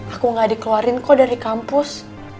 aku gak dikeluarin kok dari kampus